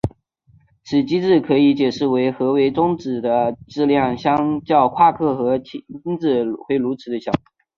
此机制可以解释为何微中子的质量相较夸克和轻子会如此地小。